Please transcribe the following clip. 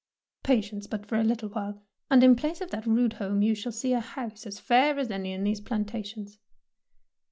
'' Patience but for a little while, and in place of that rude home you shall see a house as fair as any in these plantations."